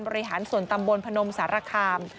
บริหารส่วนตำบลพนมสารคาม